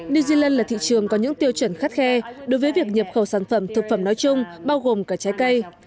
new zealand là thị trường có những tiêu chuẩn khắt khe đối với việc nhập khẩu sản phẩm thực phẩm nói chung bao gồm cả trái cây